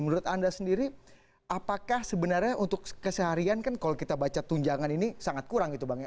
menurut anda sendiri apakah sebenarnya untuk keseharian kan kalau kita baca tunjangan ini sangat kurang gitu bang ya